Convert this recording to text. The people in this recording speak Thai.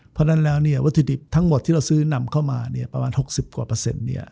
เพราะฉะนั้นแล้ววัตถุดิบทั้งหมดที่เราซื้อนำเข้ามาประมาณ๖๐กว่าเปอร์เซ็นต์